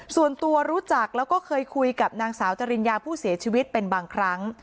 ส่วนตัวรู้จักแล้วก็เคยคุยกับนางสาวจริญญาผู้เสียชีวิตเป็นบางครั้ง